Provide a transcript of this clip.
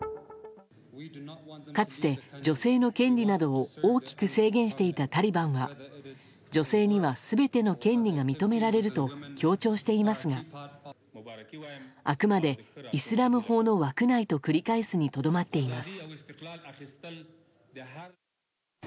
かつて、女性の権利などを大きく制限していたタリバンは女性には全ての権利が認められると強調していますがあくまでイスラム法の枠内と繰り返すにとどまっています。